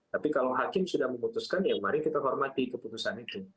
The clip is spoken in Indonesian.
tapi kalau hakim sudah memutuskan ya mari kita hormati keputusan itu